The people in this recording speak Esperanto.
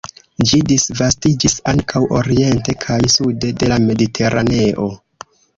Ĝi disvastiĝis ankaŭ oriente kaj sude de la Mediteraneo.